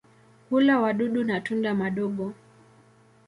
Hula wadudu na tunda madogo.